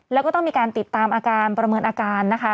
แล้วก็ต้องมีการติดตามอาการประเมินอาการนะคะ